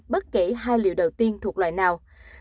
bất kể hai liệu đầu tiên thuộc loại nào